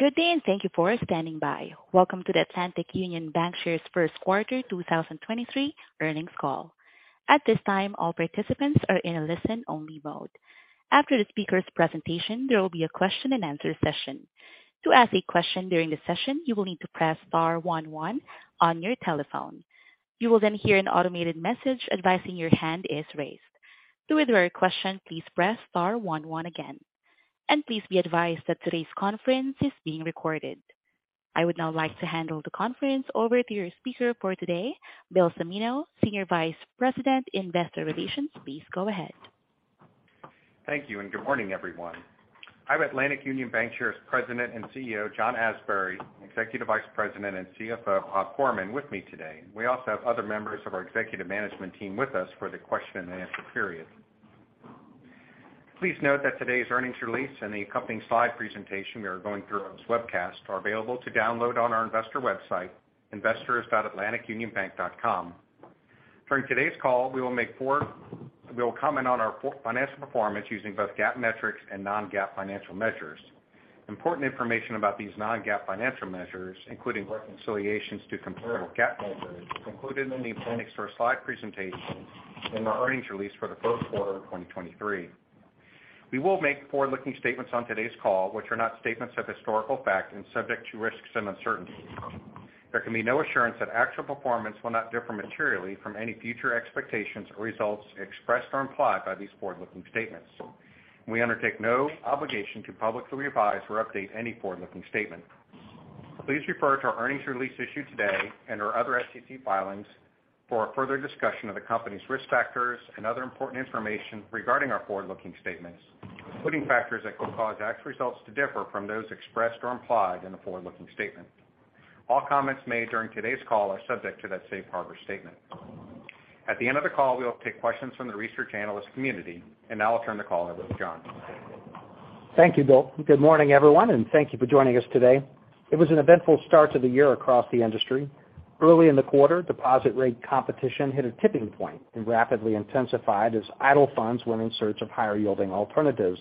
Good day, and thank you for standing by. Welcome to the Atlantic Union Bankshares first quarter 2023 Earnings Call. At this time, all participants are in a listen-only mode. After the speaker's presentation, there will be a question-and-answer session. To ask a question during the session, you will need to press star 11 on your telephone. You will then hear an automated message advising your hand is raised. To withdraw your question, please press star 11 again. Please be advised that today's conference is being recorded. I would now like to handle the conference over to your speaker for today, Bill Cimino, Senior Vice President, Investor Relations. Please go ahead. Thank you and good morning, everyone. I have Atlantic Union Bankshares President and CEO, John Asbury, and Executive Vice President and CFO, Rob Gorman, with me today. We also have other members of our executive management team with us for the question-and-answer period. Please note that today's earnings release and the accompanying slide presentation we are going through on this webcast are available to download on our investor website, investors.atlanticunionbank.com. During today's call, we will comment on our financial performance using both GAAP metrics and Non-GAAP financial measures. Important information about these Non-GAAP financial measures, including reconciliations to comparable GAAP measures, is included in the appendix to our slide presentation in our earnings release for the first quarter of 2023. We will make forward-looking statements on today's call, which are not statements of historical fact and subject to risks and uncertainties. There can be no assurance that actual performance will not differ materially from any future expectations or results expressed or implied by these forward-looking statements. We undertake no obligation to publicly revise or update any forward-looking statement. Please refer to our earnings release issued today and/or other SEC filings for a further discussion of the company's risk factors and other important information regarding our forward-looking statements, including factors that could cause actual results to differ from those expressed or implied in the forward-looking statement. All comments made during today's call are subject to that safe harbor statement. At the end of the call, we will take questions from the research analyst community, and now I'll turn the call over to John. Thank you, Bill. Good morning, everyone. Thank you for joining us today. It was an eventful start to the year across the industry. Early in the quarter, deposit rate competition hit a tipping point and rapidly intensified as idle funds went in search of higher-yielding alternatives.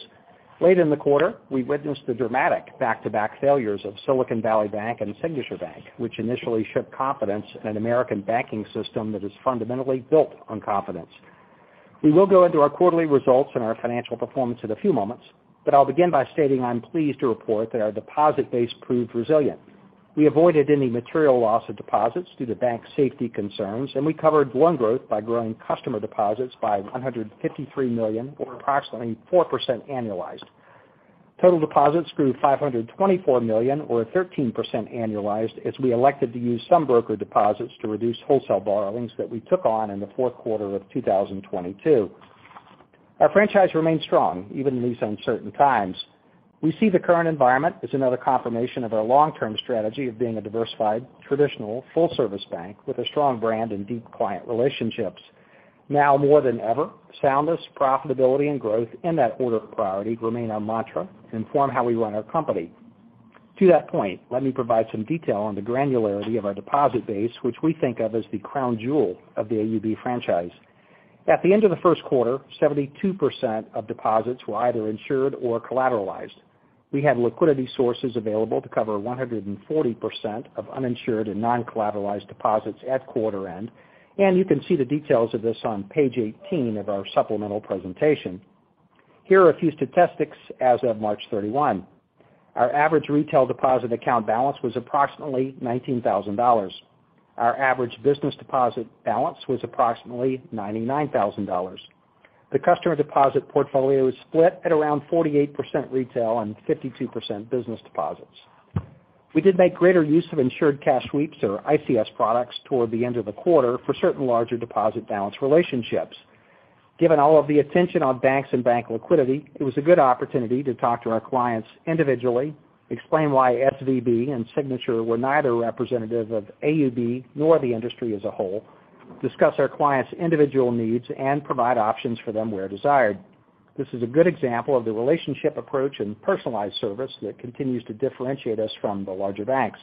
Late in the quarter, we witnessed the dramatic back-to-back failures of Silicon Valley Bank and Signature Bank, which initially shook confidence in an American banking system that is fundamentally built on confidence. We will go into our quarterly results and our financial performance in a few moments. I'll begin by stating I'm pleased to report that our deposit base proved resilient. We avoided any material loss of deposits due to bank safety concerns. We covered loan growth by growing customer deposits by $153 million, or approximately 4% annualized. Total deposits grew $524 million, or 13% annualized, as we elected to use some broker deposits to reduce wholesale borrowings that we took on in the fourth quarter of 2022. Our franchise remains strong, even in these uncertain times. We see the current environment as another confirmation of our long-term strategy of being a diversified, traditional, full-service bank with a strong brand and deep client relationships. Now more than ever, soundness, profitability and growth in that order of priority remain our mantra and inform how we run our company. To that point, let me provide some detail on the granularity of our deposit base, which we think of as the crown jewel of the AUB franchise. At the end of the first quarter, 72% of deposits were either insured or collateralized. We had liquidity sources available to cover 140% of uninsured and non-collateralized deposits at quarter end. You can see the details of this on page 18 of our supplemental presentation. Here are a few statistics as of March 31. Our average retail deposit account balance was approximately $19,000. Our average business deposit balance was approximately $99,000. The customer deposit portfolio is split at around 48% retail and 52% business deposits. We did make greater use of insured cash sweeps or ICS products toward the end of the quarter for certain larger deposit balance relationships. Given all of the attention on banks and bank liquidity, it was a good opportunity to talk to our clients individually, explain why SVB and Signature were neither representative of AUB nor the industry as a whole, discuss our clients' individual needs, and provide options for them where desired. This is a good example of the relationship approach and personalized service that continues to differentiate us from the larger banks.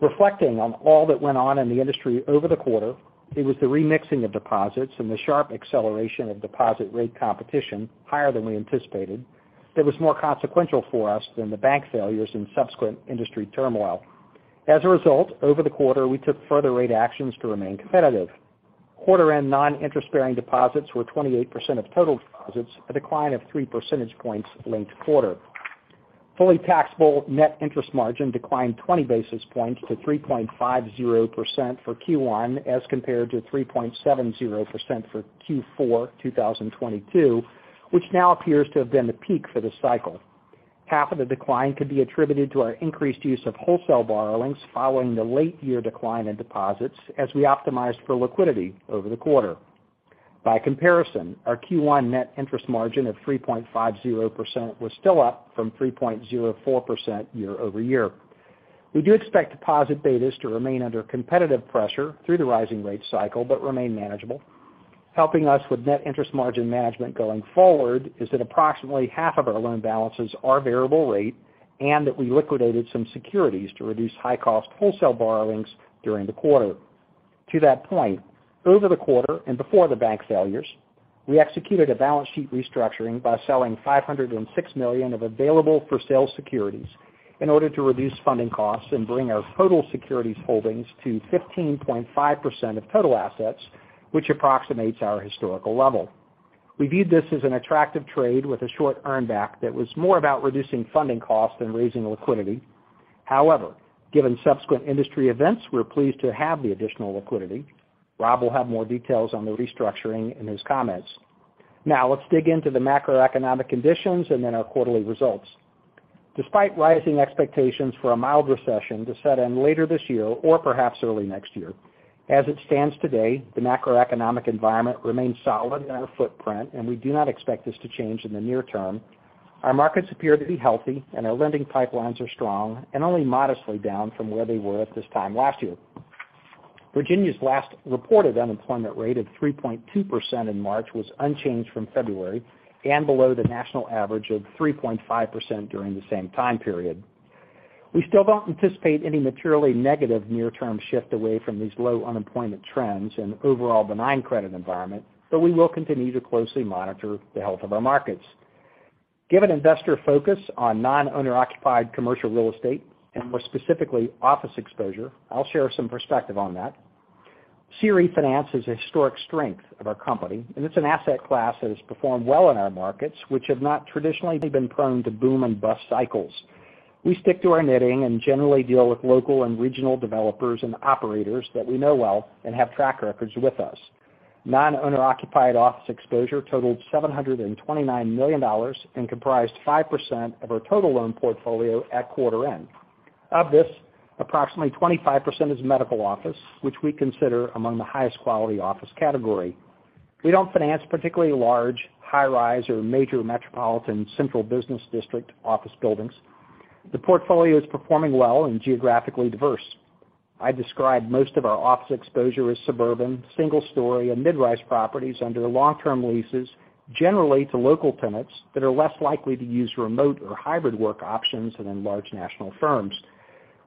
Reflecting on all that went on in the industry over the quarter, it was the remixing of deposits and the sharp acceleration of deposit rate competition higher than we anticipated that was more consequential for us than the bank failures and subsequent industry turmoil. As a result, over the quarter, we took further rate actions to remain competitive. Quarter-end non-interest-bearing deposits were 28% of total deposits, a decline of three percentage points linked quarter. Fully taxable net interest margin declined 20 basis points to 3.50% for Q1 as compared to 3.70% for Q4 2022, which now appears to have been the peak for the cycle. Half of the decline could be attributed to our increased use of wholesale borrowings following the late year decline in deposits as we optimized for liquidity over the quarter. By comparison, our Q1 net interest margin of 3.50% was still up from 3.04% year-over-year. We do expect deposit betas to remain under competitive pressure through the rising rate cycle but remain manageable. Helping us with net interest margin management going forward is that approximately half of our loan balances are variable rate and that we liquidated some securities to reduce high-cost wholesale borrowings during the quarter. To that point, over the quarter and before the bank failures, we executed a balance sheet restructuring by selling $506 million of Available-for-sale securities in order to reduce funding costs and bring our total securities holdings to 15.5% of total assets, which approximates our historical level. We viewed this as an attractive trade with a short earn back that was more about reducing funding costs than raising liquidity. Given subsequent industry events, we're pleased to have the additional liquidity. Rob will have more details on the restructuring in his comments. Let's dig into the macroeconomic conditions and then our quarterly results. Despite rising expectations for a mild recession to set in later this year or perhaps early next year, as it stands today, the macroeconomic environment remains solid in our footprint, and we do not expect this to change in the near-term. Our markets appear to be healthy and our lending pipelines are strong and only modestly down from where they were at this time last year. Virginia's last reported unemployment rate of 3.2% in March was unchanged from February and below the national average of 3.5% during the same time period. We still don't anticipate any materially negative near-term shift away from these low unemployment trends and overall benign credit environment, but we will continue to closely monitor the health of our markets. Given investor focus on non-owner occupied commercial real estate and more specifically office exposure, I'll share some perspective on that. CRE finance is a historic strength of our company, and it's an asset class that has performed well in our markets which have not traditionally been prone to boom and bust cycles. We stick to our knitting and generally deal with local and regional developers and operators that we know well and have track records with us. Non-owner occupied office exposure totaled $729 million and comprised 5% of our total loan portfolio at quarter end. Of this, approximately 25% is medical office, which we consider among the highest quality office category. We don't finance particularly large high-rise or major metropolitan central business district office buildings. The portfolio is performing well and geographically diverse. I describe most of our office exposure as suburban, single-story and mid-rise properties under long-term leases, generally to local tenants that are less likely to use remote or hybrid work options than in large national firms.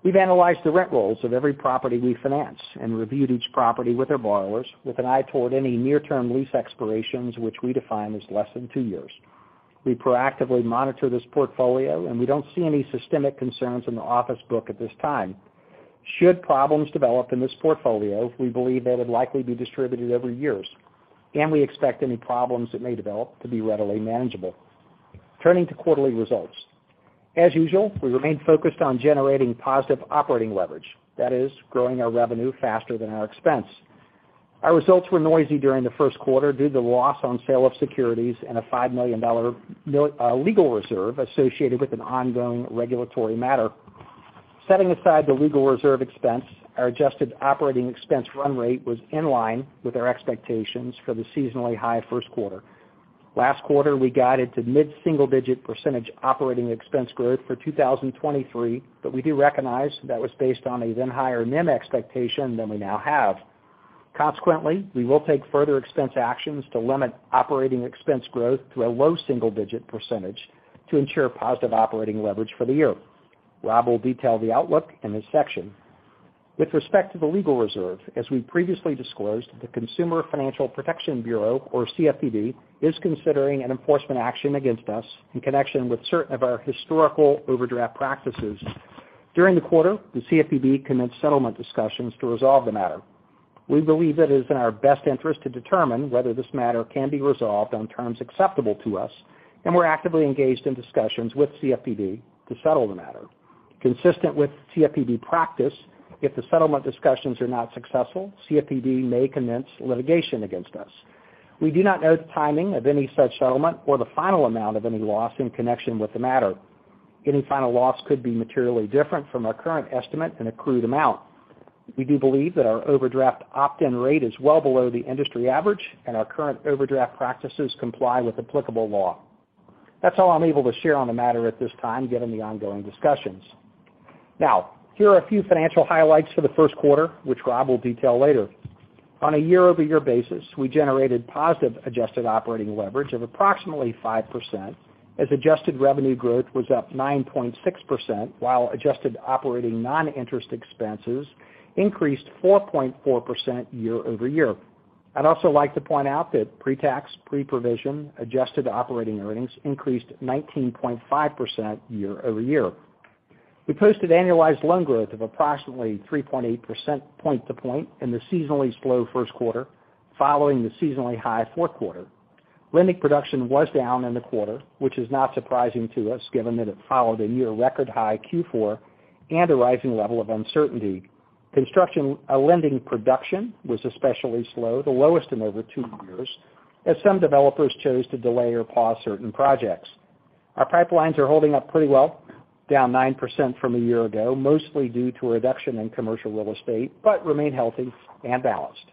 We've analyzed the rent rolls of every property we finance and reviewed each property with our borrowers with an eye toward any near-term lease expirations which we define as less than two years. We proactively monitor this portfolio. We don't see any systemic concerns in the office book at this time. Should problems develop in this portfolio, we believe they would likely be distributed over years. We expect any problems that may develop to be readily manageable. Turning to quarterly results. As usual, we remain focused on generating positive operating leverage, that is growing our revenue faster than our expense. Our results were noisy during the first quarter due to the loss on sale of securities and a $5 million legal reserve associated with an ongoing regulatory matter. Setting aside the legal reserve expense, our adjusted operating expense run rate was in line with our expectations for the seasonally high first quarter. Last quarter, we guided to mid-single digit % operating expense growth for 2023, we do recognize that was based on a then higher NIM expectation than we now have. Consequently, we will take further expense actions to limit operating expense growth to a low-single-digit % to ensure positive operating leverage for the year. Rob will detail the outlook in this section. With respect to the legal reserve, as we previously disclosed, the Consumer Financial Protection Bureau, or CFPB, is considering an enforcement action against us in connection with of our historical overdraft practices. During the quarter, the CFPB commenced settlement discussions to resolve the matter. We believe it is in our best interest to determine whether this matter can be resolved on terms acceptable to us. We're actively engaged in discussions with CFPB to settle the matter. Consistent with CFPB practice, if the settlement discussions are not successful, CFPB may commence litigation against us. We do not know the timing of any such settlement or the final amount of any loss in connection with the matter. Any final loss could be materially different from our current estimate and accrued amount. We do believe that our overdraft opt-in rate is well below the industry average, and our current overdraft practices comply with applicable law. That's all I'm able to share on the matter at this time, given the ongoing discussions. Now, here are a few financial highlights for the first quarter, which Rob will detail later. On a year-over-year basis, we generated positive adjusted operating leverage of approximately 5% as adjusted revenue growth was up 9.6%, while adjusted operating non-interest expenses increased 4.4% year-over-year. I'd also like to point out that pre-tax pre-provision adjusted operating earnings increased 19.5% year-over-year. We posted annualized loan growth of approximately 3.8% point to point in the seasonally slow first quarter following the seasonally high fourth quarter. Lending production was down in the quarter, which is not surprising to us given that it followed a near record high Q4 and a rising level of uncertainty. Lending production was especially slow, the lowest in over two years, as some developers chose to delay or pause certain projects. Our pipelines are holding up pretty well, down 9% from a year ago, mostly due to a reduction in commercial real estate, but remain healthy and balanced.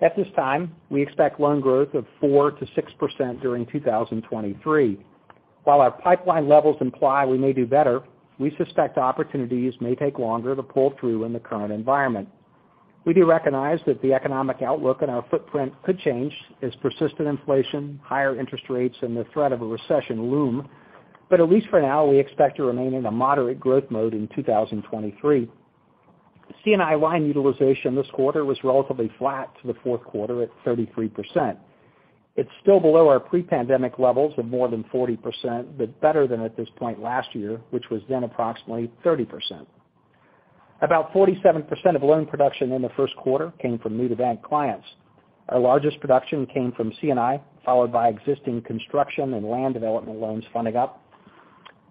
At this time, we expect loan growth of 4%-6% during 2023. While our pipeline levels imply we may do better, we suspect opportunities may take longer to pull through in the current environment. We do recognize that the economic outlook in our footprint could change as persistent inflation, higher interest rates, and the threat of a recession loom. At least for now, we expect to remain in a moderate growth mode in 2023. C&I line utilization this quarter was relatively flat to the fourth quarter at 33%. It's still below our pre-pandemic levels of more than 40%, but better than at this point last year, which was then approximately 30%. About 47% of loan production in the first quarter came from new-to-bank clients. Our largest production came from C&I, followed by existing construction and land development loans funding up.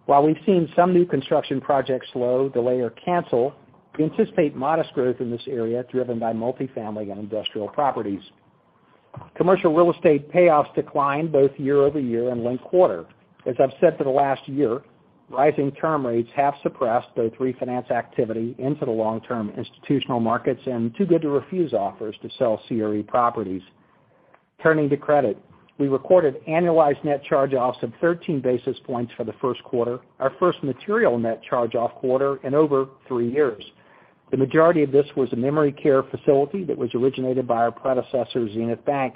While we've seen some new construction projects slow, delay, or cancel, we anticipate modest growth in this area, driven by multi-family and industrial properties. Commercial real estate payoffs declined both year-over-year and linked quarter. As I've said for the last year, rising-term rates have suppressed both refinance activity into the long-term institutional markets and too-good-to-refuse offers to sell CRE properties. Turning to credit, we recorded annualized net charge-offs of 13 basis points for the first quarter, our first material net charge-off quarter in over three years. The majority of this was a memory care facility that was originated by our predecessor, Xenith Bank.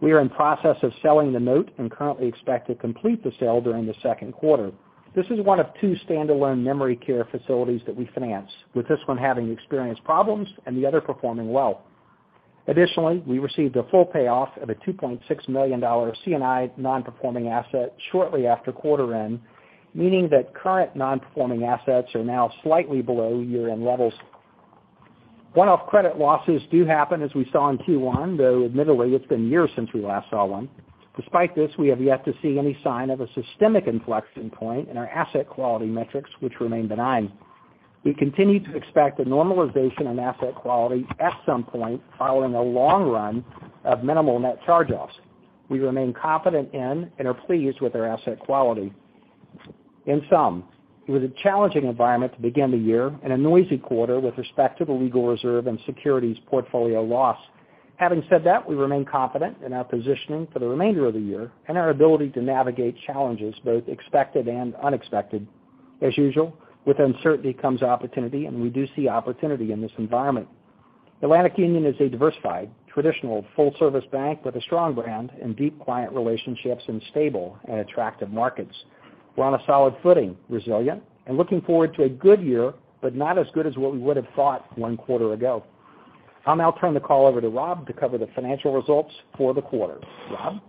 We are in process of selling the note and currently expect to complete the sale during the second quarter. This is one to two standalone memory care facilities that we finance, with this one having experienced problems and the other performing well. Additionally, we received a full payoff of a $2.6 million C&I non-performing asset shortly after quarter end, meaning that current non-performing assets are now slightly below year-end levels. One-off credit losses do happen, as we saw in Q1, though admittedly, it's been years since we last saw one. Despite this, we have yet to see any sign of a systemic inflection point in our asset quality metrics, which remain benign. We continue to expect a normalization in asset quality at some point following a long run of minimal net charge-offs. We remain confident in and are pleased with our asset quality. In sum, it was a challenging environment to begin the year and a noisy quarter with respect to the legal reserve and securities portfolio loss. Having said that, we remain confident in our positioning for the remainder of the year and our ability to navigate challenges, both expected and unexpected. As usual, with uncertainty comes opportunity, and we do see opportunity in this environment. Atlantic Union is a diversified, traditional full-service bank with a strong brand and deep client relationships in stable and attractive markets. We're on a solid footing, resilient and looking forward to a good year, but not as good as what we would have thought one quarter ago. I'll now turn the call over to Rob to cover the financial results for the quarter. Rob?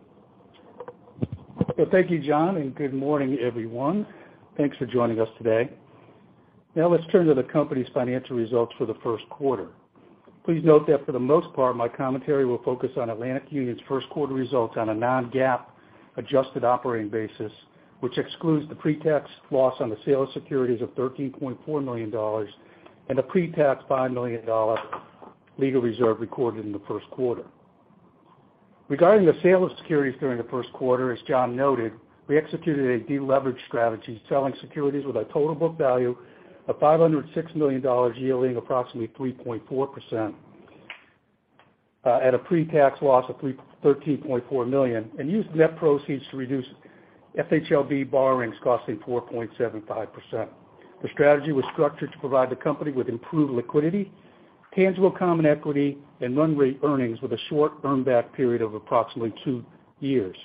Well, thank you, John, and good morning, everyone. Thanks for joining us today. Let's turn to the company's financial results for the first quarter. Please note that for the most part, my commentary will focus on Atlantic Union's first quarter results on a Non-GAAP adjusted operating basis, which excludes the pre-tax loss on the sale of securities of $13.4 million and a pre-tax $5 million legal reserve recorded in the first quarter. Regarding the sale of securities during the first quarter, as John noted, we executed a deleverage strategy, selling securities with a total book value of $506 million, yielding approximately 3.4%, at a pre-tax loss of $13.4 million, and used net proceeds to reduce FHLB borrowings costing 4.75%. The strategy was structured to provide the company with improved liquidity, tangible common equity, and run rate earnings with a short earn back period of approximately two years.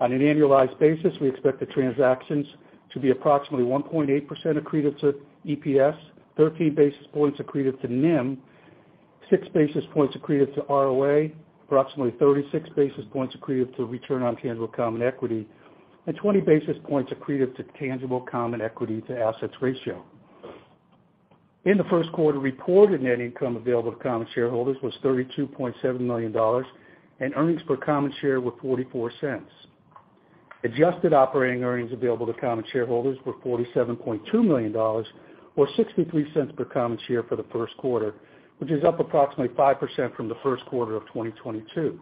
On an annualized basis, we expect the transactions to be approximately 1.8% accretive to EPS, 13 basis points accretive to NIM, six basis points accretive to ROA, approximately 36 basis points accretive to return on tangible common equity, and 20 basis points accretive to tangible common equity to assets ratio. In the first quarter, reported net income available to common shareholders was $32.7 million, and earnings per common share were $0.44. Adjusted operating earnings available to common shareholders were $47.2 million, or $0.63 per common share for the first quarter, which is up approximately 5% from the first quarter of 2022.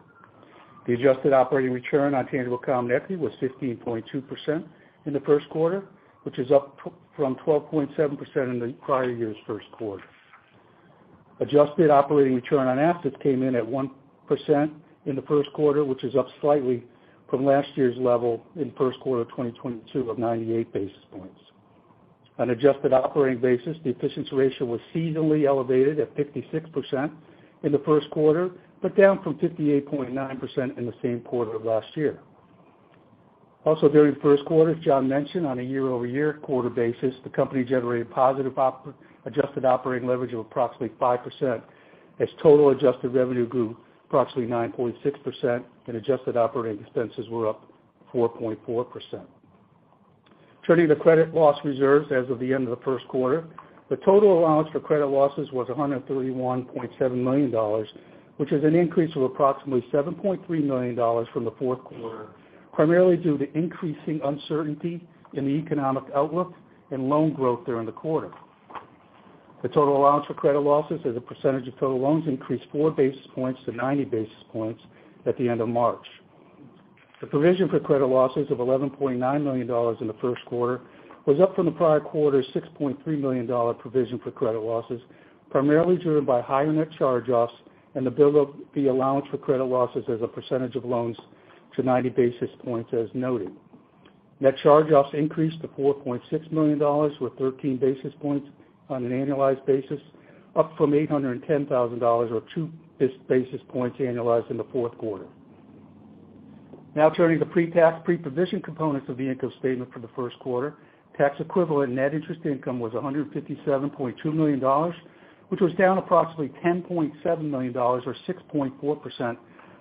The adjusted operating return on tangible common equity was 15.2% in the first quarter, which is up from 12.7% in the prior year's first quarter. Adjusted operating return on assets came in at 1% in the first quarter, which is up slightly from last year's level in first quarter of 2022 of 98 basis points. On adjusted operating basis, the efficiency ratio was seasonally elevated at 56% in the first quarter, down from 58.9% in the same quarter of last year. During the first quarter, as John mentioned, on a year-over-year quarter basis, the company generated positive adjusted operating leverage of approximately 5% as total adjusted revenue grew approximately 9.6% and adjusted operating expenses were up 4.4%. Turning to credit loss reserves as of the end of the first quarter, the total allowance for credit losses was $131.7 million, which is an increase of approximately $7.3 million from the fourth quarter, primarily due to increasing uncertainty in the economic outlook and loan growth during the quarter. The total allowance for credit losses as a percentage of total loans increased four points to 90 basis points at the end of March. The provision for credit losses of $11.9 million in the first quarter was up from the prior quarter's $6.3 million provision for credit losses, primarily driven by higher net charge-offs and the build-up, the allowance for credit losses as a percentage of loans to 90 basis points as noted. Net charge-offs increased to $4.6 million or 13 basis points on an annualized basis. Up from $810,000 or two basis points annualized in the fourth quarter. Turning to pre-tax pre-provision components of the income statement for the first quarter. Tax equivalent net interest income was $157.2 million, which was down approximately $10.7 million or 6.4%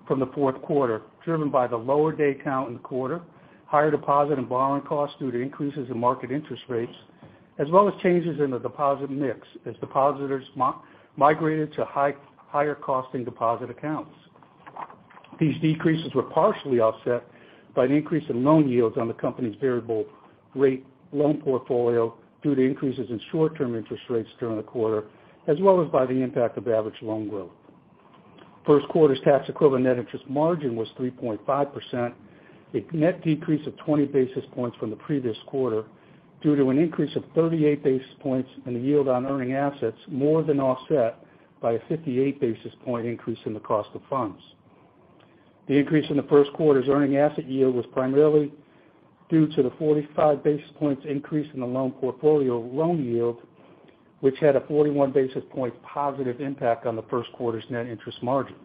from the fourth quarter, driven by the lower day count in the quarter, higher deposit and borrowing costs due to increases in market interest rates, as well as changes in the deposit mix as depositors migrated to higher costing deposit accounts. These decreases were partially offset by an increase in loan yields on the company's variable rate loan portfolio due to increases in short-term interest rates during the quarter, as well as by the impact of average loan growth. First quarter's tax equivalent net interest margin was 3.5%, a net decrease of 20 basis points from the previous quarter due to an increase of 38 basis points in the yield on earning assets more than offset by a 58 basis point increase in the cost of funds. The increase in the first quarter's earning asset yield was primarily due to the 45 basis points increase in the loan portfolio loan yield, which had a 41 basis point positive impact on the first quarter's net interest margin.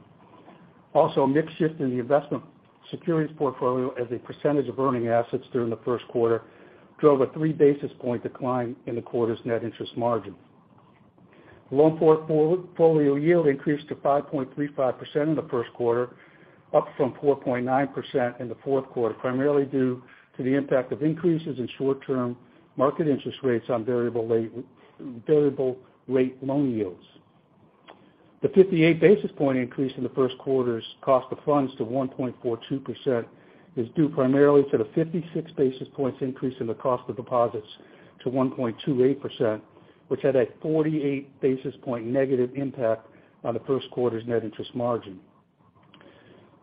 Also, a mix shift in the investment securities portfolio as a percentage of earning assets during the first quarter drove a three basis point decline in the quarter's net interest margin. Loan portfolio yield increased to 5.35% in the first quarter, up from 4.9% in the fourth quarter, primarily due to the impact of increases in short-term market interest rates on variable rate loan yields. The 58 basis point increase in the first quarter's cost of funds to 1.42% is due primarily to the 56 basis points increase in the cost of deposits to 1.28%, which had a 48 basis point negative impact on the first quarter's net interest margin.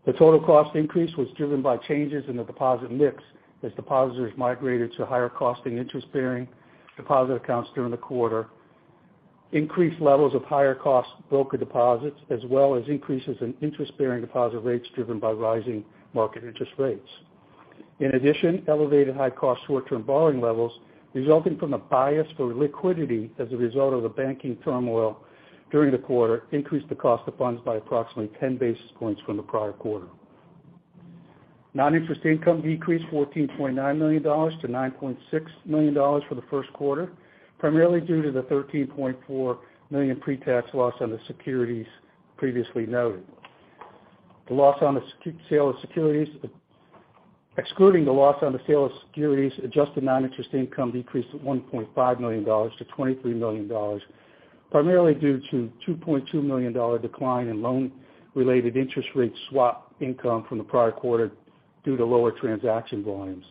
The total cost increase was driven by changes in the deposit mix as depositors migrated to higher costing interest-bearing deposit accounts during the quarter. Increased levels of higher cost broker deposits, as well as increases in interest-bearing deposit rates driven by rising market interest rates. Elevated high-cost short-term borrowing levels resulting from a bias for liquidity as a result of the banking turmoil during the quarter increased the cost of funds by approximately 10 basis points from the prior quarter. Non-interest income decreased $14.9 million to $9.6 million for the first quarter, primarily due to the $13.4 million pre-tax loss on the securities previously noted. The loss on the sale of securities. Excluding the loss on the sale of securities, adjusted non-interest income decreased to $1.5 million to $23 million, primarily due to $2.2 million decline in loan-related interest rate swap income from the prior quarter due to lower transaction volumes.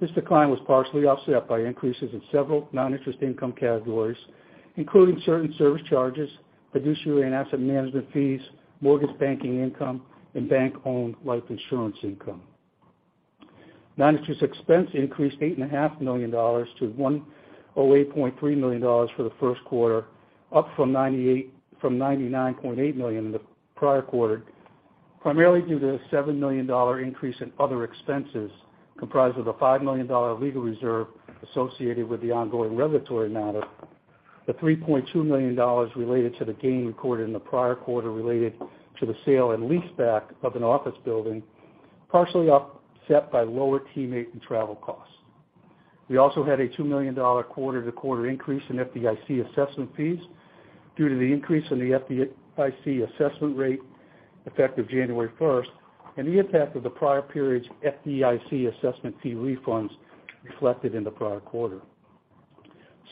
This decline was partially offset by increases in several non-interest income categories, including certain service charges, fiduciary and asset management fees, mortgage banking income, and bank-owned life insurance income. Non-interest expense increased eight and a half million dollars to $108.3 million for the first quarter, up from $99.8 million in the prior quarter, primarily due to a $7 million increase in other expenses comprised of the $5 million legal reserve associated with the ongoing regulatory matter. The $3.2 million related to the gain recorded in the prior quarter related to the sale and leaseback of an office building, partially offset by lower teammate and travel costs. We also had a $2 million quarter-to-quarter increase in FDIC assessment fees due to the increase in the FDIC assessment rate effective January first, and the impact of the prior period's FDIC assessment fee refunds reflected in the prior quarter.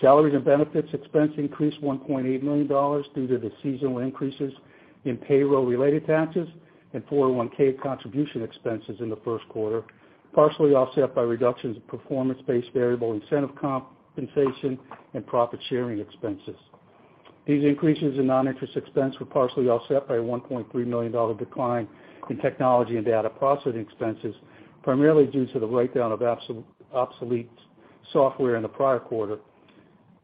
Salaries and benefits expense increased $1.8 million due to the seasonal increases in payroll-related taxes and 401 contribution expenses in the first quarter, partially offset by reductions in performance-based variable incentive compensation and profit-sharing expenses. These increases in non-interest expense were partially offset by a $1.3 million decline in technology and data processing expenses, primarily due to the write-down of obsolete software in the prior quarter,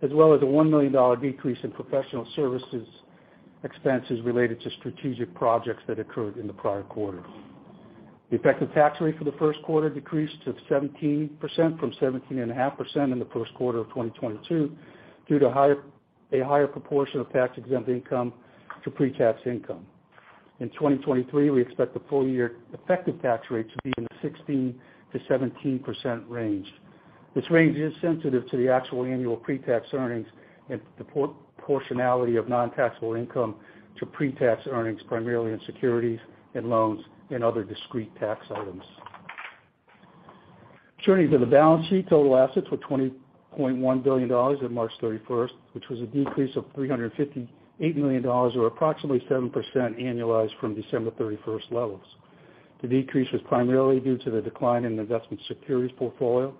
as well as a $1 million decrease in professional services expenses related to strategic projects that occurred in the prior quarter. The effective tax rate for the first quarter decreased to 17% from 17.5% in the first quarter of 2022 due to a higher proportion of tax-exempt income to pre-tax income. In 2023, we expect the full year effective tax rate to be in the 16%-17% range. This range is sensitive to the actual annual pre-tax earnings and the proportionality of non-taxable income to pre-tax earnings, primarily in securities and loans and other discrete tax items. Turning to the balance sheet, total assets were $20.1 billion in March 31st, which was a decrease of $358 million or approximately 7% annualized from December 31st levels. The decrease was primarily due to the decline in investment securities portfolio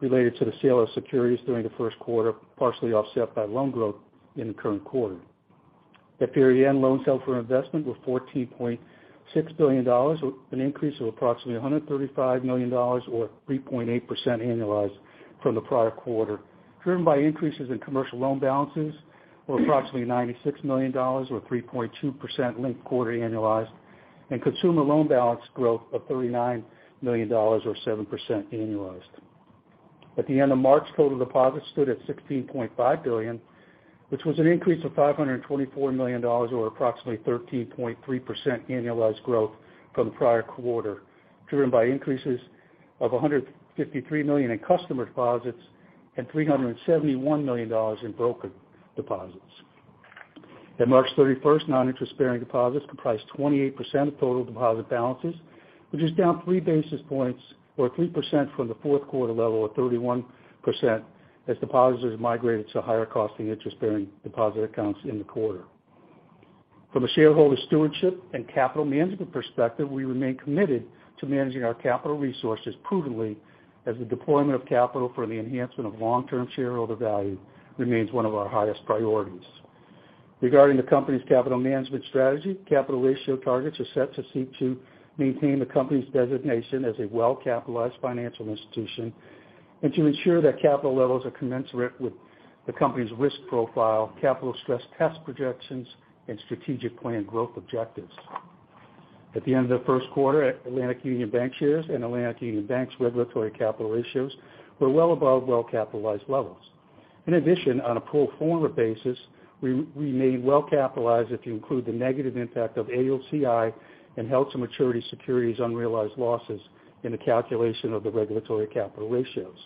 related to the sale of securities during the first quarter, partially offset by loan growth in the current quarter. At period end, loans held for investment were $14.6 billion, an increase of approximately $135 million or 3.8% annualized from the prior quarter, driven by increases in commercial loan balances of approximately $96 million or 3.2% linked quarter annualized, and consumer loan balance growth of $39 million or 7% annualized. At the end of March, total deposits stood at $16.5 billion, which was an increase of $524 million or approximately 13.3% annualized growth from the prior quarter, driven by increases of $153 million in customer deposits and $371 million in broker deposits. At March 31st, non-interest-bearing deposits comprised 28% of total deposit balances, which is down three basis points or 3% from the fourth quarter level of 31% as depositors migrated to higher costing interest-bearing deposit accounts in the quarter. From a shareholder stewardship and capital management perspective, we remain committed to managing our capital resources prudently as the deployment of capital for the enhancement of long-term shareholder value remains one of our highest priorities. Regarding the company's capital management strategy, capital ratio targets are set to seek to maintain the company's designation as a well-capitalized financial institution and to ensure that capital levels are commensurate with the company's risk profile, capital stress test projections, and strategic plan growth objectives. At the end of the first quarter, Atlantic Union Bankshares and Atlantic Union Bank's regulatory capital ratios were well above well-capitalized levels. In addition, on a pro forma basis, we remain well capitalized if you include the negative impact of AOCI and held-to-maturity securities' unrealized losses in the calculation of the regulatory capital ratios.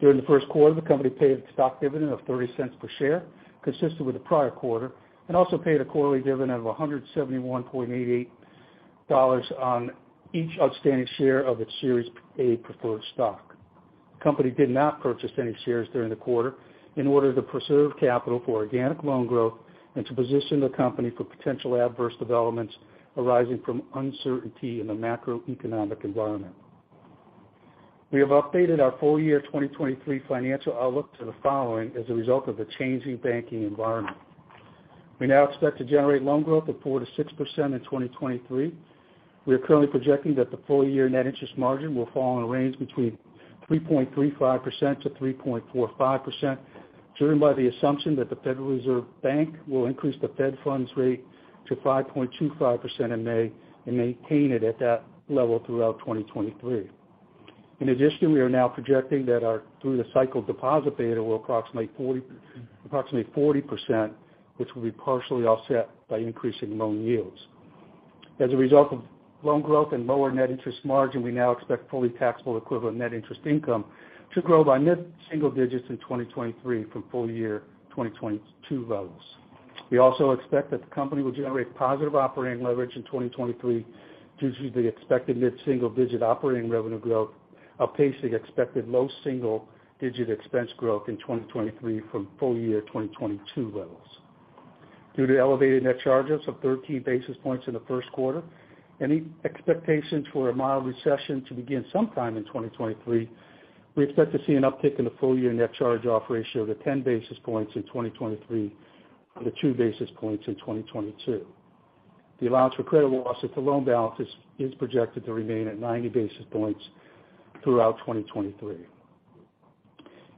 During the first quarter, the company paid a stock dividend of $0.30 per share, consistent with the prior quarter, and also paid a quarterly dividend of $171.88 on each outstanding share of its Series A preferred stock. The company did not purchase any shares during the quarter in order to preserve capital for organic loan growth and to position the company for potential adverse developments arising from uncertainty in the macroeconomic environment. We have updated our full year 2023 financial outlook to the following as a result of the changing banking environment. We now expect to generate loan growth of 4%-6% in 2023. We are currently projecting that the full year net interest margin will fall in a range between 3.35%-3.45%, driven by the assumption that the Federal Reserve Bank will increase the Federal funds rate to 5.25% in May and maintain it at that level throughout 2023. In addition, we are now projecting that our through-the-cycle Deposit beta will approximate 40%, which will be partially offset by increasing loan yields. As a result of loan growth and lower net interest margin, we now expect fully taxable equivalent net interest income to grow by mid-single-digits in 2023 from full year 2022 levels. We also expect that the company will generate positive operating leverage in 2023 due to the expected mid-single digit operating revenue growth outpacing expected low single-digit expense growth in 2023 from full year 2022 levels. Due to elevated net charges of 13 basis points in the first quarter and expectations for a mild recession to begin sometime in 2023, we expect to see an uptick in the full year net charge-off ratio to 10 basis points in 2023 from the 2 basis points in 2022. The allowance for credit losses to loan balances is projected to remain at 90 basis points throughout 2023.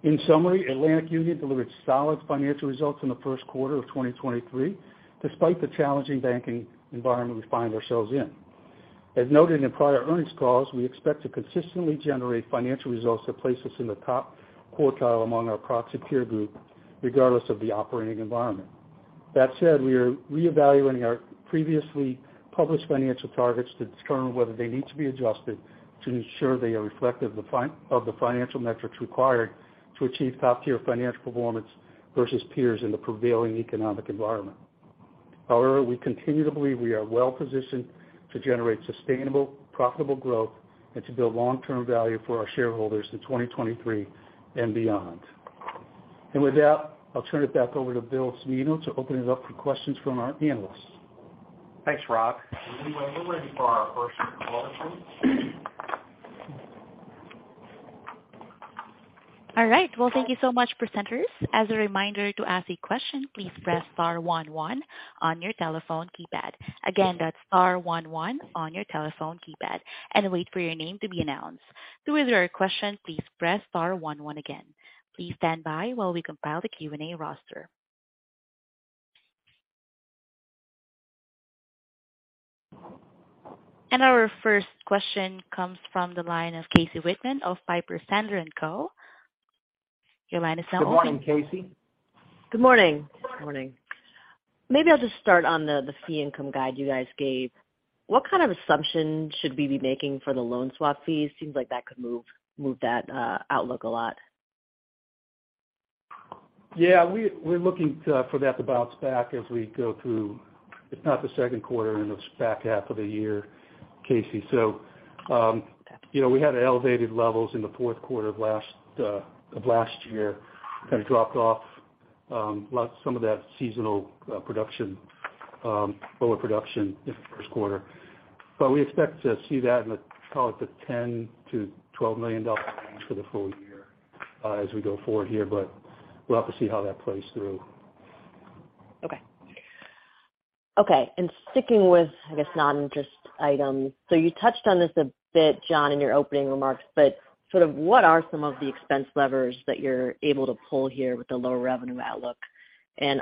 In summary, Atlantic Union delivered solid financial results in the first quarter of 2023 despite the challenging banking environment we find ourselves in. As noted in prior earnings calls, we expect to consistently generate financial results that place us in the top quartile among our proxy peer group regardless of the operating environment. That said, we are reevaluating our previously published financial targets to determine whether they need to be adjusted to ensure they are reflective of the financial metrics required to achieve top-tier financial performance versus peers in the prevailing economic environment. However, we continue to believe we are well positioned to generate sustainable, profitable growth and to build long-term value for our shareholders in 2023 and beyond. With that, I'll turn it back over to Bill Cimino to open it up for questions from our analysts. Thanks, Rob. We're ready for our first caller, please. All right. Well, thank you so much, presenters. As a reminder, to ask a question, please press star one one on your telephone keypad. That's star one one on your telephone keypad and wait for your name to be announced. To withdraw your question, please press star one one again. Please stand by while we compile the Q&A roster. Our first question comes from the line of Casey Whitman of Piper Sandler & Co. Your line is now open. Good morning, Casey. Good morning. Good morning. Maybe I'll just start on the fee income guide you guys gave. What kind of assumption should we be making for the loan swap fees? Seems like that could move that outlook a lot. Yeah, we're looking for that to bounce back as we go through, if not the second quarter, in the back half of the year, Casey. You know, we had elevated levels in the fourth quarter of last year, kind of dropped off, some of that seasonal production, lower production in the first quarter. We expect to see that in the, call it, the $10 million-$12 million range for the full year as we go forward here, but we'll have to see how that plays through. Okay. Okay, sticking with, I guess, non-interest items. You touched on this a bit, John, in your opening remarks, but sort of what are some of the expense levers that you're able to pull here with the lower revenue outlook?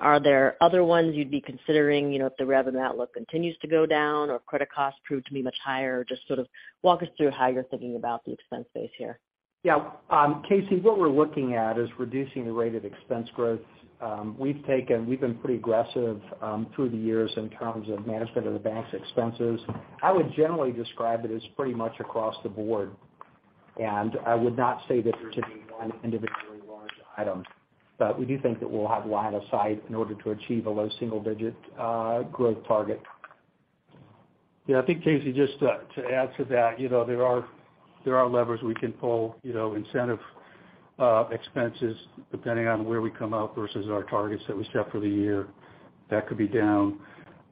Are there other ones you'd be considering, you know, if the revenue outlook continues to go down or credit costs prove to be much higher? Just sort of walk us through how you're thinking about the expense base here. Yeah. Casey, what we're looking at is reducing the rate of expense growth. We've been pretty aggressive through the years in terms of management of the bank's expenses. I would generally describe it as pretty much across the board. I would not say that there's any one individually large item. We do think that we'll have line of sight in order to achieve a low single-digit growth target. Yeah. I think, Casey, just to add to that, you know, there are, there are levers we can pull, you know, incentive, expenses, depending on where we come out versus our targets that we set for the year. That could be down.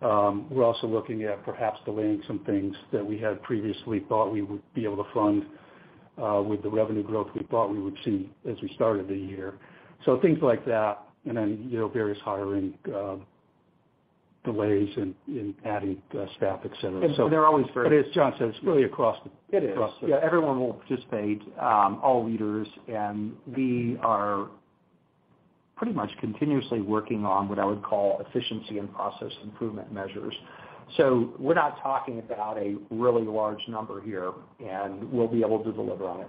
We're also looking at perhaps delaying some things that we had previously thought we would be able to fund with the revenue growth we thought we would see as we started the year. Things like that. You know, various hiring, delays in adding staff, et cetera. they're always. As John said, it's really across. It is. Across the- Yeah, everyone will participate, all leaders. We are pretty much continuously working on what I would call efficiency and process improvement measures. We're not talking about a really large number here, we'll be able to deliver on it.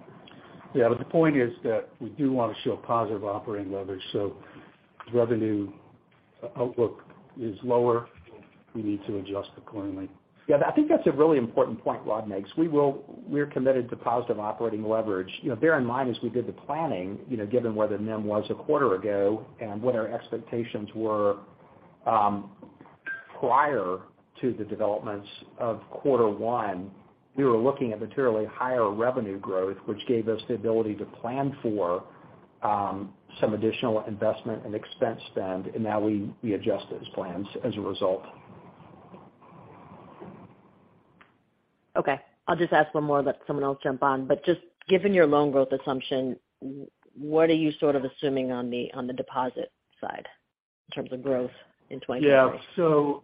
Yeah. The point is that we do want to show positive operating leverage. If revenue outlook is lower, we need to adjust accordingly. Yeah. I think that's a really important point Rob Gorman makes. We are committed to positive operating leverage. You know, bear in mind, as we did the planning, you know, given where the NIM was a quarter ago and what our expectations were, prior to the developments of quarter one, we were looking at materially higher revenue growth, which gave us the ability to plan for some additional investment and expense spend. Now we adjust those plans as a result. Okay. I'll just ask one more and let someone else jump on. Just given your loan growth assumption, what are you sort of assuming on the deposit side in terms of growth in 2023?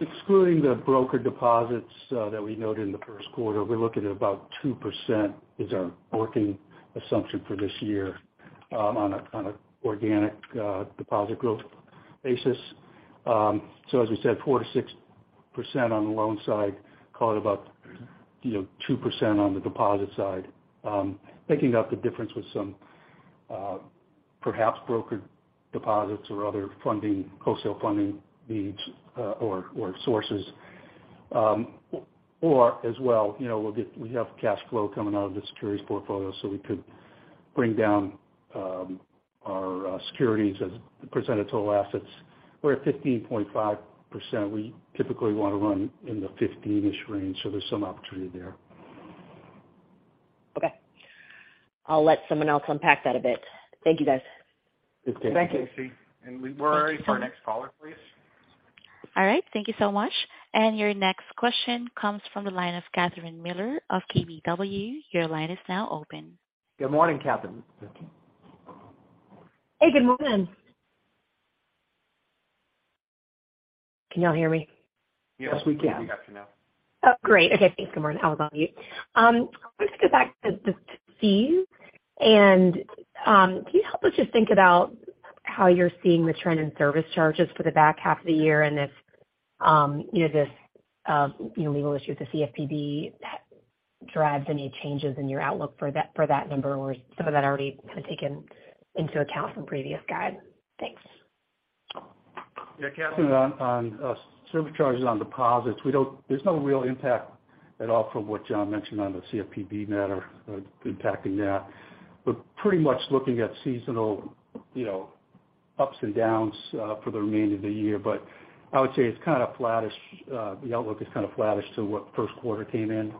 Excluding the broker deposits that we noted in the first quarter, we're looking at about 2% is our working assumption for this year on an organic deposit growth basis. As we said, 4%-6% on the loan side, call it about, you know, 2% on the deposit side. Making up the difference with some perhaps brokered deposits or other funding, wholesale funding needs or sources. As well, you know, we have cash flow coming out of the securities portfolio, so we could bring down our securities as a percent of total assets. We're at 15.5%. We typically wanna run in the 15-ish range, there's some opportunity there. Okay. I'll let someone else unpack that a bit. Thank you, guys. Thank you. Thank you. We're ready for our next caller, please. All right. Thank you so much. Your next question comes from the line of Catherine Mealor of KBW. Your line is now open. Good morning, Catherine. Hey, good morning. Can y'all hear me? Yes, we can. Yes, we can hear you now. Oh, great. Okay, thanks. Good morning. How is all you? I want to go back to just fees. Can you help us just think about how you're seeing the trend in service charges for the back half of the year and if, you know, this, you know, legal issue with the CFPB drives any changes in your outlook for that, for that number or some of that already kind of taken into account from previous guide? Thanks. Yeah. Catherine, on service charges on deposits, there's no real impact at all from what John mentioned on the CFPB matter, impacting that. We're pretty much looking at seasonal, you know, ups and downs for the remainder of the year. I would say it's kind of flattish, the outlook is kind of flattish to what first quarter came in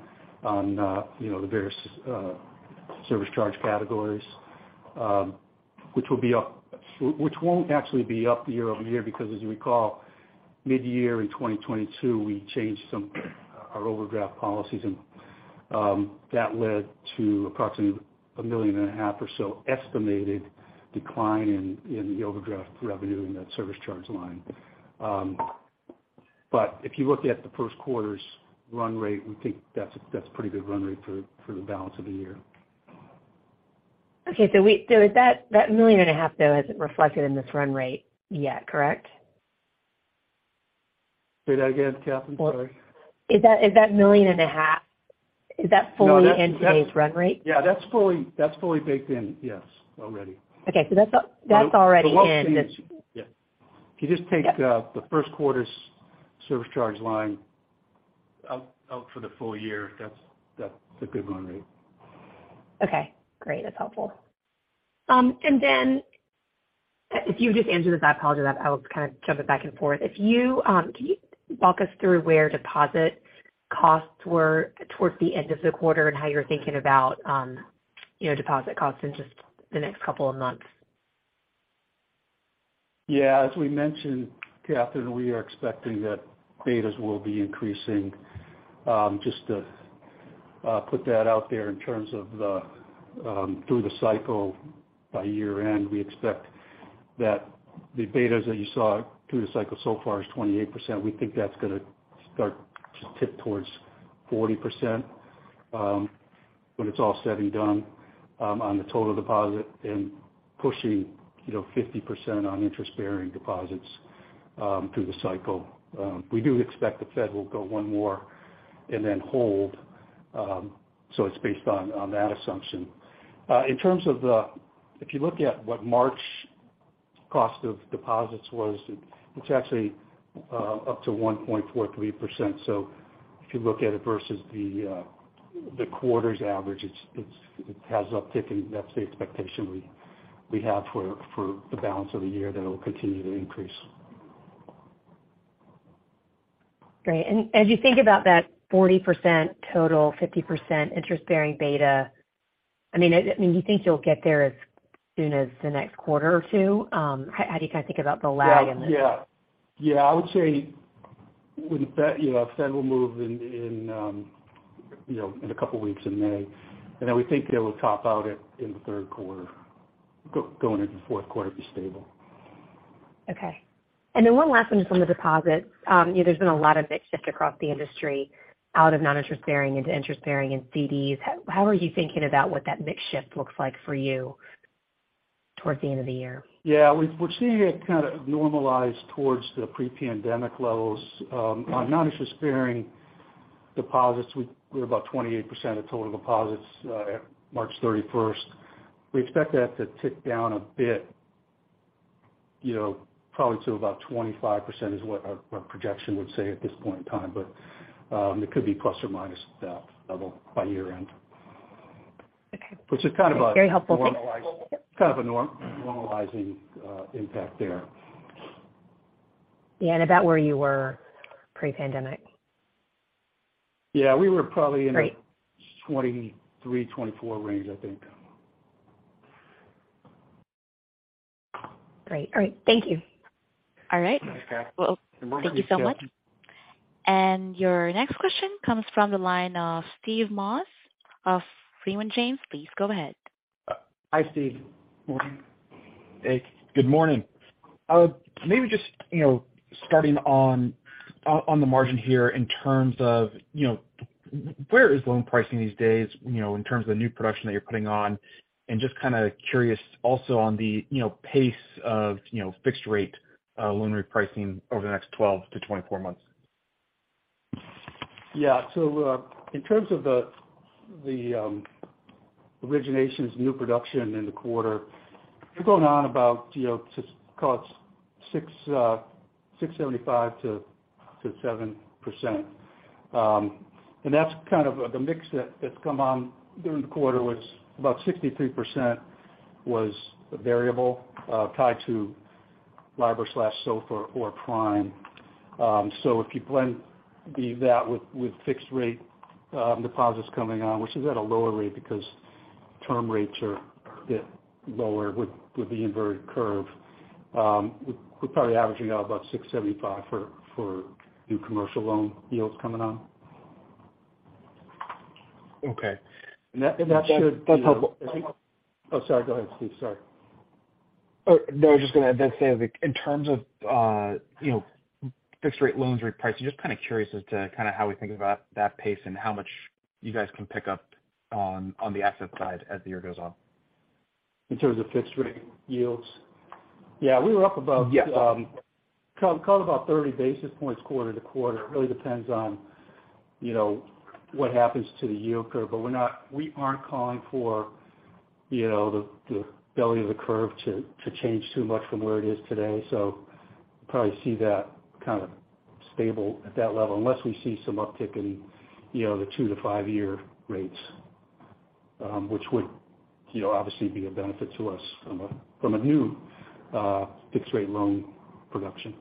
on, you know, the various service charge categories, which won't actually be up year-over-year because as you recall, midyear in 2022, we changed some our overdraft policies and that led to approximately a $1.5 million or so estimated decline in the overdraft revenue in that service charge line. If you look at the first quarter's run rate, we think that's pretty good run rate for the balance of the year. Okay. Is that million and a half though isn't reflected in this run rate yet, correct? Say that again, Catherine. Sorry. Is that $1.5 million, is that fully into today's run rate? No, yeah, that's fully baked in, yes, already. Okay. That's already in. The loan fees, yeah. If you just. Yep. The first quarter's service charge line out for the full year, that's a good run rate. Okay, great. That's helpful. If you just answer this, I apologize. I was kind of jumping back and forth. Can you walk us through where deposit costs were towards the end of the quarter and how you're thinking about, you know, deposit costs in just the next couple of months? Yeah. As we mentioned, Catherine, we are expecting that betas will be increasing. Just to put that out there in terms of the through the cycle by year-end, we expect that the betas that you saw through the cycle so far is 28%. We think that's gonna start to tip towards 40% when it's all said and done on the total deposit and pushing, you know, 50% on interest-bearing deposits. Through the cycle. We do expect the Fed will go one more and then hold, it's based on that assumption. In terms of if you look at what March cost of deposits was, it's actually up to 1.43%. If you look at it versus the quarter's average, it has uptick, and that's the expectation we have for the balance of the year that it'll continue to increase. Great. As you think about that 40% total, 50% interest-bearing beta, I mean, do you think you'll get there as soon as the next quarter or two? How do you kind of think about the lag in this? Yeah. Yeah. Yeah, I would say when the Fed, you know, the Fed will move in, you know, in a couple of weeks in May. Then we think it will top out at, in the third quarter. Going into fourth quarter be stable. Okay. One last one just on the deposits. You know, there's been a lot of mix shift across the industry out of non-interest bearing into interest bearing and CDs. How are you thinking about what that mix shift looks like for you towards the end of the year? Yeah. We're seeing it kind of normalize towards the pre-pandemic levels. On non-interest-bearing deposits, we're about 28% of total deposits at March 31st. We expect that to tick down a bit, you know, probably to about 25% is what our projection would say at this point in time. It could be plus or minus that level by year-end. Okay. Which is kind of... Very helpful. Thanks. -normalized. Kind of a normalizing impact there. Yeah, about where you were pre-pandemic. Yeah. We were probably in the- Great ...23-24 range, I think. Great. All right. Thank you. All right. Thanks, Cathy. Well, thank you so much. Your next question comes from the line of Steve Moss of Raymond James. Please go ahead. Hi, Steve. Morning. Hey. Good morning. Maybe just, you know, starting on the margin here in terms of, you know, where is loan pricing these days, you know, in terms of the new production that you're putting on? Just kind of curious also on the, you know, pace of, you know, fixed rate loan repricing over the next 12-24 months. Yeah. In terms of the originations new production in the quarter, they're going on about, you know, just call it 6.75%-7%. That's kind of the mix that's come on during the quarter was about 63% was variable, tied to LIBOR/SOFR or prime. If you blend that with fixed rate deposits coming on, which is at a lower rate because term rates are a bit lower with the inverted curve, we're probably averaging out about 6.75% for new commercial loan yields coming on. Okay. That should- That's helpful. I think... Oh, sorry. Go ahead, Steve. Sorry. Oh, no, I was just gonna then say, like, in terms of, you know, fixed rate loans repricing, just kind of curious as to kind of how we think about that pace and how much you guys can pick up on the asset side as the year goes on. In terms of fixed rate yields? Yeah, we were up. Yeah call it about 30 basis points quarter to quarter. It really depends on, you know, what happens to the yield curve. We aren't calling for, you know, the belly of the curve to change too much from where it is today. Probably see that kind of stable at that level unless we see some uptick in, you know, the two to five year rates, which would, you know, obviously be a benefit to us from a new, fixed rate loan production.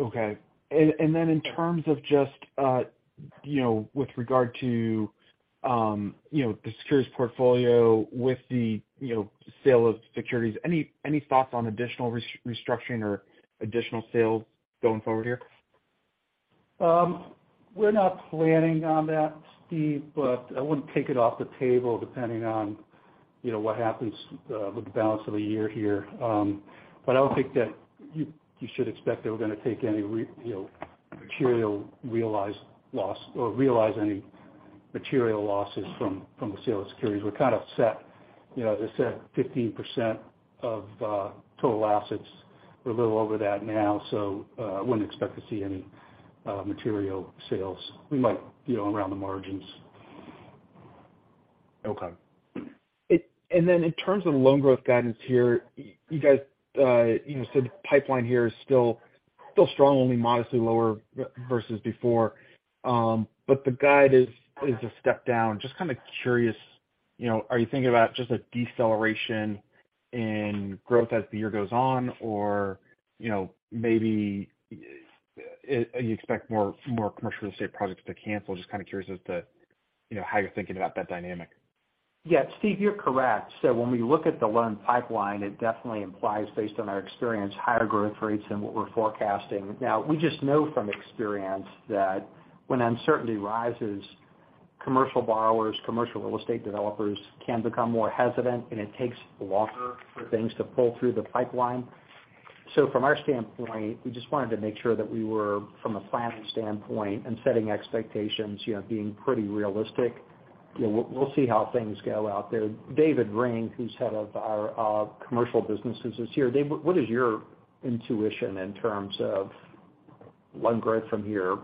Okay. In terms of just, you know, with regard to, you know, the securities portfolio with the, you know, sale of securities, any thoughts on additional restructuring or additional sales going forward here? We're not planning on that, Steve, but I wouldn't take it off the table depending on, you know, what happens with the balance of the year here. I don't think that you should expect that we're gonna take any, you know, material realized loss or realize any material losses from the sale of securities. We're kind of set, you know, they're set 15% of total assets. We're a little over that now, so I wouldn't expect to see any material sales. We might, you know, around the margins. Okay. In terms of loan growth guidance here, you guys, you know, said the pipeline here is still strong, only modestly lower versus before. The guide is a step down. Just kind of curious, you know, are you thinking about just a deceleration in growth as the year goes on, or, you know, maybe you expect more commercial real estate projects to cancel? Just kind of curious as to, you know, how you're thinking about that dynamic? Yeah. Steve, you're correct. When we look at the loan pipeline, it definitely implies, based on our experience, higher growth rates than what we're forecasting. We just know from experience that when uncertainty rises, commercial borrowers, commercial real estate developers can become more hesitant, and it takes longer for things to pull through the pipeline. From our standpoint, we just wanted to make sure that we were, from a planning standpoint and setting expectations, you know, being pretty realistic. Yeah, we'll see how things go out there. David Ring, who's head of our commercial businesses is here. David, what is your intuition in terms of loan growth from here?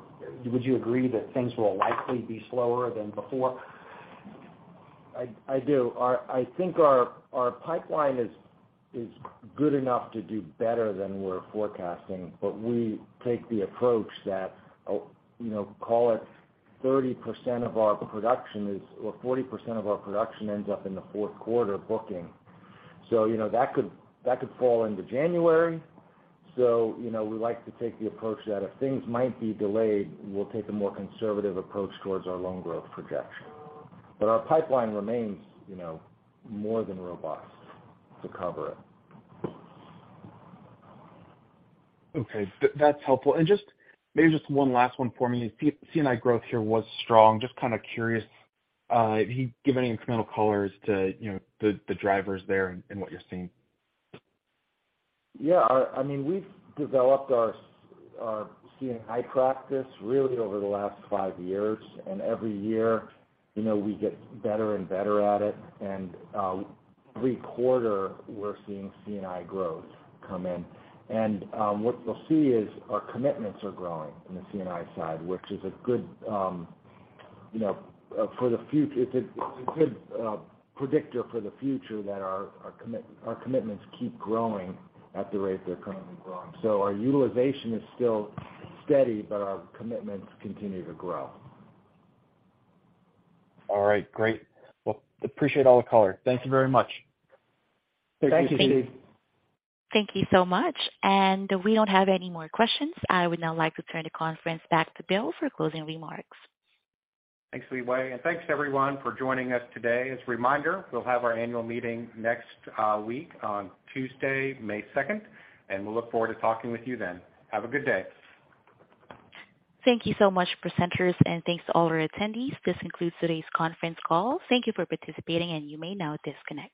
Would you agree that things will likely be slower than before? I do. I think our pipeline is good enough to do better than we're forecasting, we take the approach that, you know, call it 30% of our production is, or 40% of our production ends up in the fourth quarter booking. You know, that could fall into January. You know, we like to take the approach that if things might be delayed, we'll take a more conservative approach towards our loan growth projection. Our pipeline remains, you know, more than robust to cover it. Okay. That's helpful. Just maybe just one last one for me. C&I growth here was strong. Just kinda curious if you could give any incremental colors to, you know, the drivers there and what you're seeing? Yeah. I mean, we've developed our C&I practice really over the last five years, and every year, you know, we get better and better at it. Every quarter, we're seeing C&I growth come in. What you'll see is our commitments are growing in the C&I side, which is a good, you know, predictor for the future that our commitments keep growing at the rate they're currently growing. Our utilization is still steady, but our commitments continue to grow. All right. Great. Well, appreciate all the color. Thank you very much. Thank you, Steve. Thank you so much. We don't have any more questions. I would now like to turn the conference back to Bill for closing remarks. Thanks, Leigh. Thanks everyone for joining us today. As a reminder, we'll have our annual meeting next week on Tuesday, May 2nd, and we'll look forward to talking with you then. Have a good day. Thank you so much, presenters. Thanks to all our attendees. This concludes today's conference call. Thank you for participating. You may now disconnect.